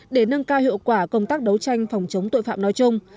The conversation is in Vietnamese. để nâng cao hiệu quả công tác đấu tranh phòng chống tội phạm nói chung